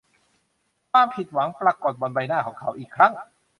ความผิดหวังปรากฎบนใบหน้าของเขาอีกครั้ง